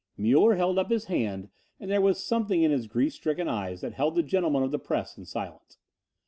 Muller held up his hand and there was something in his grief stricken eyes that held the gentlemen of the press in silence.